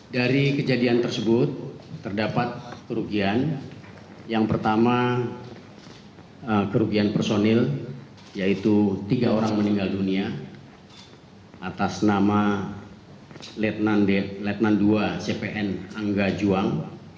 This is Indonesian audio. dari kejadian tersebut terdapat kerugian yang pertama kerugian personil yaitu tiga orang meninggal dunia atas nama letnan ii cpn angga juang